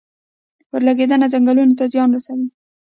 اورلګیدنه ځنګلونو ته څه زیان رسوي؟